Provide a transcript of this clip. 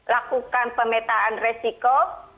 lakukan pemetaan resiko